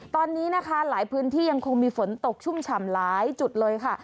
ตอนนี้นะคะหลายพื้นที่ยังคงมีฝนตกชุ่มฉ่ำหลายจุดเลยค่ะ